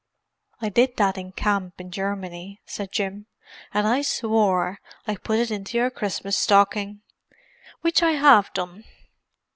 "I did that in camp in Germany," said Jim. "And I swore I'd put it into your Christmas stocking. Which I have done."